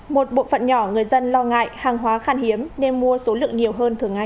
một bộ phận nhỏ người dân lo ngại hàng hóa khan hiếm nên mua số lượng nhiều hơn thường ngày